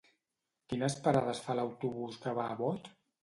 Quines parades fa l'autobús que va a Bot?